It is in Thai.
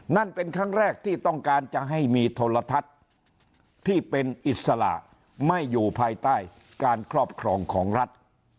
นั่นเป็นครั้งแรกที่ต้องการจะให้มีโทรทัศน์ที่เป็นอิสระไม่อยู่ภายใต้การครอบครองของรัฐ